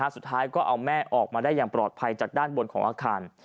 สุดท้ายก็เอาแม่ออกมาได้อย่างปลอดภัยจากด้านบนของอาคาร